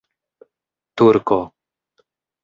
turko